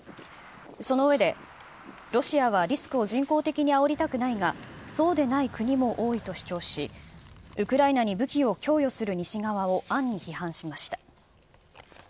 その上で、ロシアはリスクを人工的にあおりたくないが、そうでない国も多いと主張し、ウクライナに武器を供与する西側を暗に批判しました。